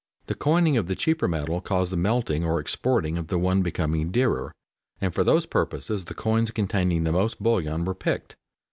The coining of the cheaper metal caused the melting or exporting of the one becoming dearer, and for those purposes the coins containing the most bullion were picked.